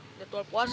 ini kan bulan puasa